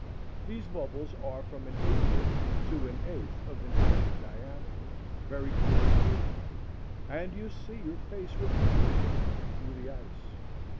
These bubbles are from an eightieth to an eighth of an inch in diameter, very clear and beautiful, and you see your face reflected in them through the ice.